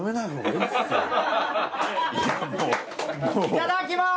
いただきます！！